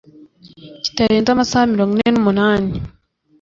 kitarenze amasaha mirongo ine n umunani